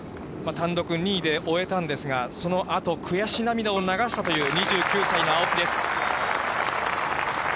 単独２位で終えたんですが、そのあと悔し涙を流したという２９歳の青木です。